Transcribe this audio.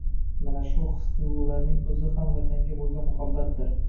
Mana shu his tuyg‘ularning o‘zi ham vatanga bo‘lgan muhabbatdir